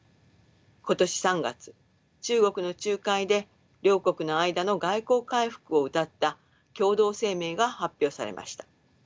今年３月中国の仲介で両国の間の外交回復をうたった共同声明が発表されました。